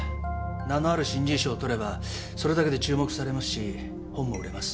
名のある新人賞をとればそれだけで注目されますし本も売れます。